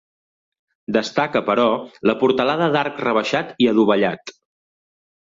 Destaca, però, la portalada d'arc rebaixat i adovellat.